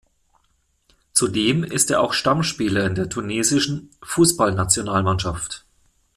Zudem ist er auch Stammspieler in der tunesischen Fußballnationalmannschaft.